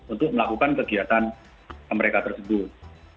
untuk melakukan kegiatan mereka tersebut